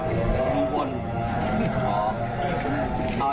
เมื่อวานแบงค์อยู่ไหนเมื่อวาน